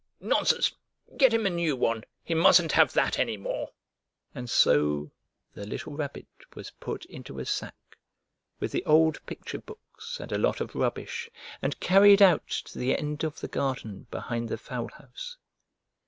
Nonsense! Get him a new one. He mustn't have that any more!" Anxious Times And so the little Rabbit was put into a sack with the old picture books and a lot of rubbish, and carried out to the end of the garden behind the fowl house.